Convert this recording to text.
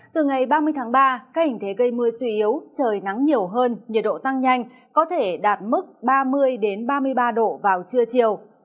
từ ngày ba mươi tháng ba các hình thế gây mưa suy yếu trời nắng nhiều hơn nhiệt độ tăng nhanh có thể đạt mức ba mươi ba mươi ba độ vào trưa chiều